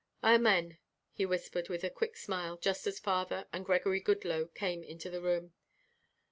"Amen," he whispered with a quick smile just as father and Gregory Goodloe came into the room.